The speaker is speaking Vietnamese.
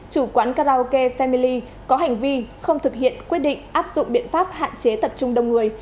chủ quán karaoke family có hành vi không thực hiện quyết định áp dụng biện pháp hạn chế tập trung đông người